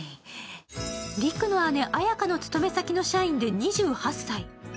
陸の姉・綾華の勤め先の社員で２８歳。